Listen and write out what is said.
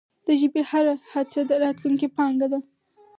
د ژبي هره هڅه د راتلونکې پانګه ده.